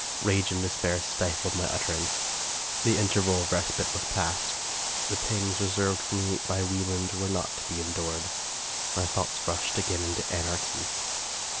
Rage and despair stifled my utterance. The interval of respite was past ; the pangs reserved for me by Wieland were not to be endured ; my thoughts rushed again into anarchy.